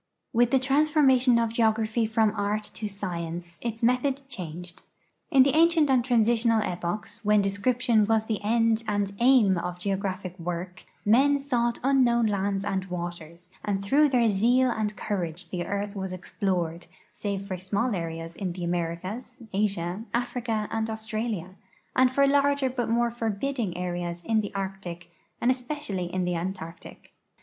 With the transformation of geography from art to science its method changed. In the ancient and transitional epochs, when description was the end and aim of geographic work, men sought unknown lands and waters, and through their zeal and courage the earth was explored save for small areas in the Americas, Asia, Africa, and Australia, and for larger but more forbidding areas in the Arctic and especially in the Antarctic.